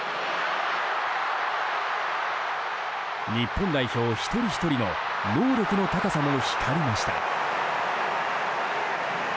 日本代表一人ひとりの能力の高さも光りました。